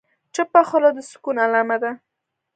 چپه خوله، د سکون علامه ده.